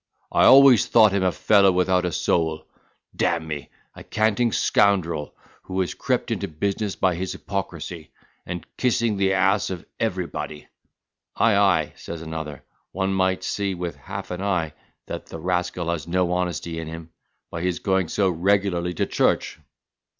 I always thought him a fellow without a soul, d—n me, a canting scoundrel, who has crept into business by his hypocrisy, and kissing the a—e of every body."—"Ay, ay," says another, "one might see with half an eye that the rascal has no honesty in him, by his going so regularly to church."